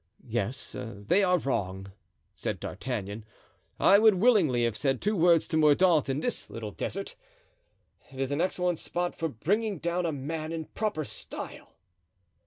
"Yes, they are wrong," said D'Artagnan. "I would willingly have said two words to Mordaunt in this little desert. It is an excellent spot for bringing down a man in proper style."